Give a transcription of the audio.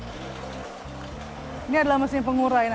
ini adalah mesin pengurai